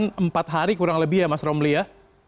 jadi itu kan empat hari kurang lebih ya mas romli ya